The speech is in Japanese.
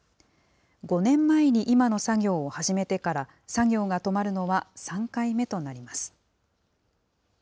５年前に今の作業を始めてから、作業が止まるのは３回目となります。